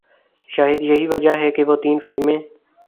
شاید یہی وجہ ہے کہ وہ تین فلمیں